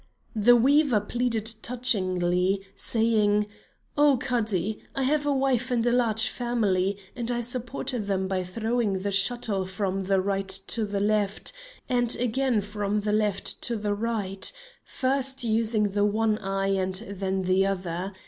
The weaver pleaded touchingly, saying: "Oh Cadi! I have a wife and a large family, and I support them by throwing the shuttle from the right to the left, and again from the left to the right; first using the one eye and then the other.